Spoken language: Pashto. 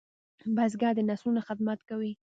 بزګر د نسلونو خدمت کوي